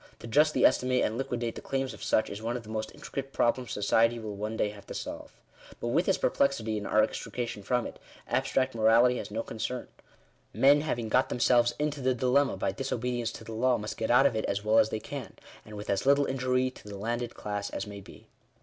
To justly estimate and liquidate the claims of such, is one of the most intricate problems society will one day have to solve. But with this perplexity and our extrication from it, abstract morality has no concern. Men having got themselves into the dilemma by disobedience to the law, must get out of it as well as they can ; and with as little injury to the landed class as may be.